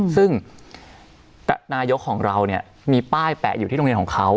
ซึ่งนายกของเราเนี่ยมีป้ายแปะอยู่ที่โรงเรียนของเขา